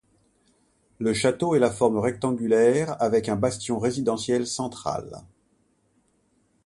Le château est de forme rectangulaire avec un bastion résidentiel central.